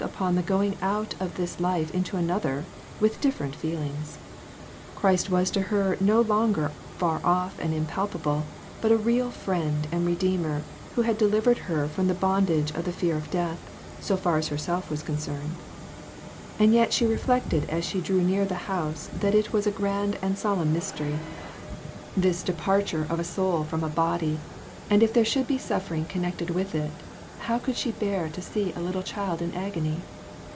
upon the going out of this life into another with different feelings. Christ was to her no longer far off and impalpable, but a real friend and Redeemer who had delivered her from the bond age of the fear of death, so far as herself was con cerned. And yet she reflected as she drew near the house that it was a great and solemn mystery, A MODERN MARTYR. 3/1 this departure of a soul from a body, and if there should be suffering connected with it, how could she bear to see a little child in agony